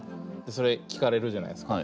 それ聴かれるじゃないすか。